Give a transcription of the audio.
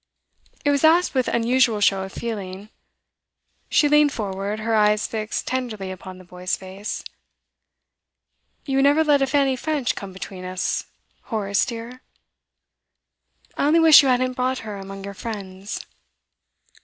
It was asked with unusual show of feeling; she leaned forward, her eyes fixed tenderly upon the boy's face. 'You would never let a Fanny French come between us, Horace dear?' 'I only wish you hadn't brought her among your friends.